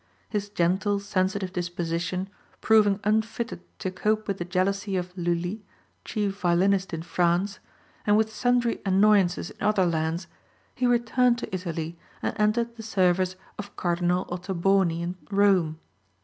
His gentle, sensitive disposition proving unfitted to cope with the jealousy of Lully, chief violinist in France, and with sundry annoyances in other lands, he returned to Italy and entered the service of Cardinal Ottoboni in Rome.